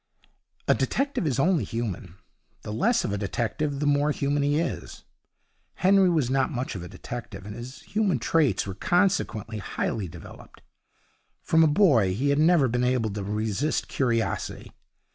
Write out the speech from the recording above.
A detective is only human. The less of a detective, the more human he is. Henry was not much of a detective, and his human traits were consequently highly developed. From a boy, he had never been able to resist curiosity.